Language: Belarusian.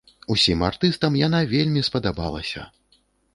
Усім артыстам яна вельмі спадабалася.